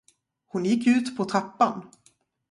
Hon gick ut på trappan.